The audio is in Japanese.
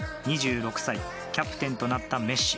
２６歳キャプテンとなったメッシ。